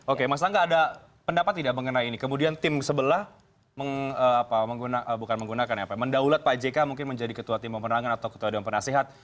oke mas angga ada pendapat tidak mengenai ini kemudian tim sebelah bukan menggunakan mendaulat pak jk mungkin menjadi ketua tim pemenangan atau ketua dewan penasehat